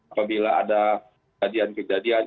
apabila ada kejadian kejadian